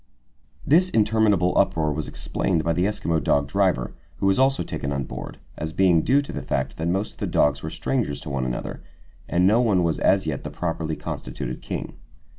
This interminable uproar was explained by the Eskimo dog driver, who was also taken on board, as being due to the fact that most of the dogs were strangers to one another, and no one was as yet the properly constituted king.